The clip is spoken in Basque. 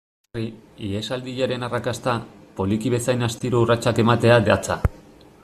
Sarri, ihesaldiaren arrakasta, poliki bezain astiro urratsak ematean datza.